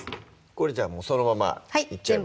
これじゃあそのままいっちゃいます